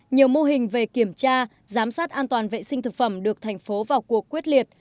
nhiều mô hình về kiểm tra giám sát an toàn vệ sinh thực phẩm được thành phố vào cuộc quyết liệt